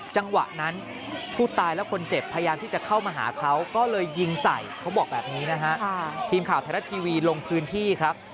จังหวะนั้นผู้ตายและคนเจ็บพยายามที่จะเข้ามาหาเขาก็เลยยิงใส่เขาบอกแบบนี้นะฮะทีมข่าวไทยรัฐทีวีลงพื้นที่ครับ